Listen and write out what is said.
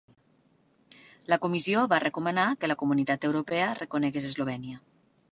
La Comissió va recomanar que la Comunitat Europea reconegués Eslovènia.